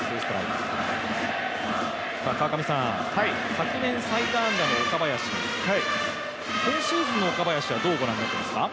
昨年最多安打の岡林今シーズンの岡林はどうご覧になっていますか？